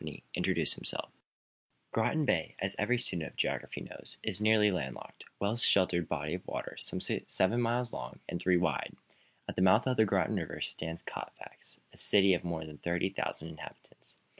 INTRODUCE THEMSELVES: Groton Bay, as every student of geography knows, is a nearly landlocked, well sheltered body of water, some seven miles long and three wide. At the mouth of the Groton river stands Colfax, a city of more than thirty thousand inhabitants.